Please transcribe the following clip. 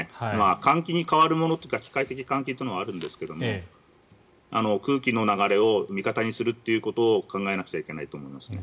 換気に代わるものというのは機械的関係はあるんですが空気の流れを味方にするということを考えなくてはいけないと思いますね。